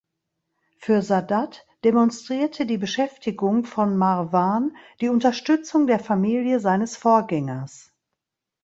Für Sadat demonstrierte die Beschäftigung von Marwan die Unterstützung der Familie seines Vorgängers.